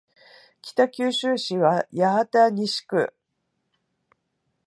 北九州市八幡西区